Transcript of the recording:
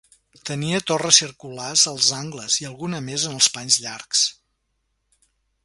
Tenia torres circulars als angles i alguna més en els panys llargs.